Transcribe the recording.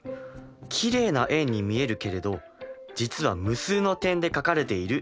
きれいな円に見えるけれど実は無数の点で描かれているということですか？